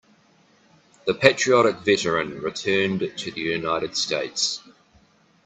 The patriotic veteran returned to the United States.